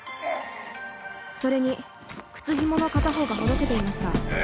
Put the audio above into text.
それに靴ひもの片方がほどけていました。